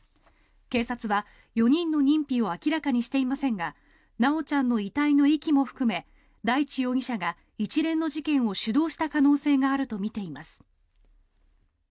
警察は４人の認否を明らかにしていませんが修ちゃんの遺体の遺棄も含め大地容疑者が一連の事件を主導した可能性があるとみています。